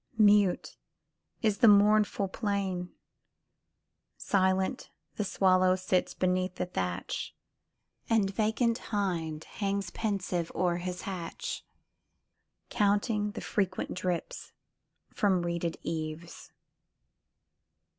Mute is the mournful plain; Silent the swallow sits beneath the thatch, And vacant hind hangs pensive o'er his hatch, Counting the frequent drips from reeded eaves.